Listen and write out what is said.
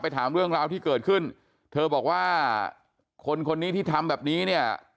ถามเรื่องราวที่เกิดขึ้นเธอบอกว่าคนคนนี้ที่ทำแบบนี้เนี่ย